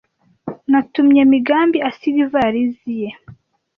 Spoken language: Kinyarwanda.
Natumye Migambi asiga ivarisi ye.